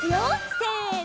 せの！